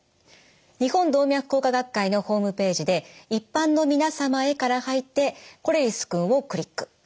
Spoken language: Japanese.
日本動脈硬化学会のホームページで「一般の皆様へ」から入って「これりすくん」をクリック。